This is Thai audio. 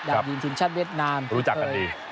ทีมทีมชาติเวียดนามรู้จักกันดี